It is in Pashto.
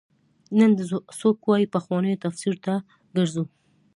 نن څوک وايي پخوانو تفسیر ته ګرځو.